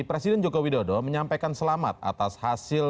presiden joko widodo menyampaikan selamat atas hasil